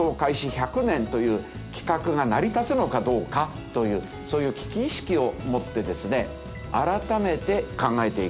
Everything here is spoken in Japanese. １００年という企画が成り立つのかどうかというそういう危機意識を持ってですね改めて考えていく。